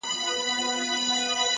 علم د فکر جوړښت بدلوي،